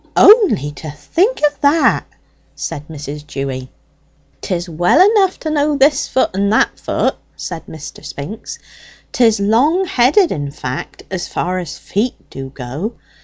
'" "Only to think of that!" said Mrs. Dewy. "'Tis well enough to know this foot and that foot," said Mr. Spinks. "'Tis long headed, in fact, as far as feet do go.